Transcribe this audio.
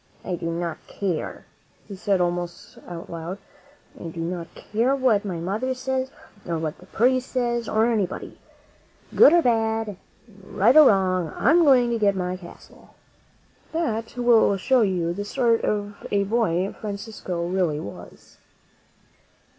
"I do not care," he said almost out loud; "I do not care what my mother says, or what the priest says, or anybody. Good or bad, right or wrong, I am going to get my castle." That ..nil : /x^ "n\ '.«V #«* tut '^ ys. ■«WiK^ CASTLE will show you the sort of a boy Francisco really was.